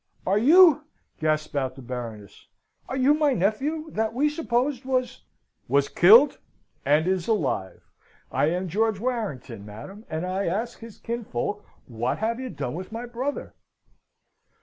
"Are you" gasped out the Baroness "are you my nephew, that we supposed was " "Was killed and is alive! I am George Warrington, madam and I ask his kinsfolk what have you done with my brother?"